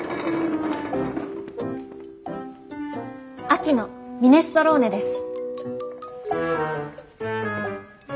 秋のミネストローネです。